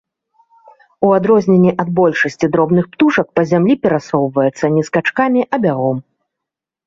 У адрозненне ад большасці дробных птушак па зямлі перасоўваецца не скачкамі, а бягом.